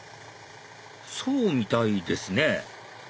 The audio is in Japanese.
そうみたいですね